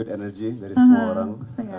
energi yang baik dari semua orang